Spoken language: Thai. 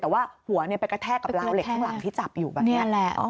แต่ว่าหัวไปกระแทกกับราวเหล็กข้างหลังที่จับอยู่แบบนี้แหละ